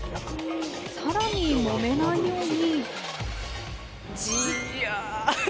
さらに揉めないように。